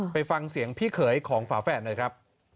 ไปฟังเสียงพี่เขยของฝาแฝดหน่อยครับ